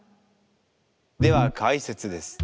では解説です。